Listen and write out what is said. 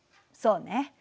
そうね。